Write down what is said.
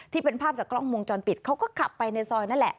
ที่เป็นภาพจากกล้องวงจรปิดเขาก็ขับไปในซอยนั่นแหละ